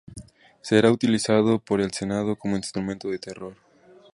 Será utilizado por el Senado como instrumento de terror.